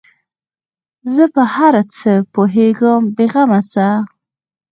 زه په هر څه پوهېږم بې غمه اوسه.